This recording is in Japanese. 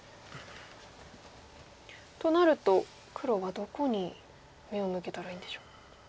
となると黒はどこに目を向けたらいいんでしょう？